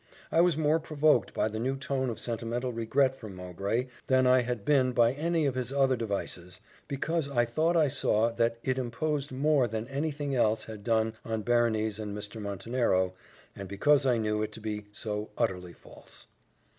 I was more provoked by the new tone of sentimental regret from Mowbray than I had been by any of his other devices, because I thought I saw that it imposed more than any thing else had done on Berenice and Mr. Montenero, and because I knew it to be so utterly false.